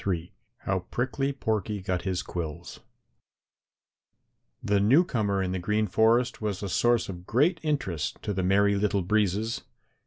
III HOW PRICKLY PORKY GOT HIS QUILLS The newcomer in the Green Forest was a source of great interest to the Merry Little Breezes.